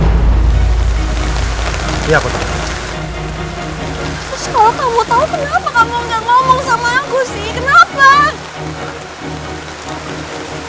terus kalau kamu tahu kenapa kamu gak ngomong sama aku sih kenapa